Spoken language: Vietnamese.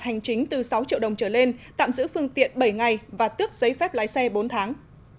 hành chính từ sáu triệu đồng trở lên tạm giữ phương tiện bảy ngày và tước giấy phép lái xe bốn tháng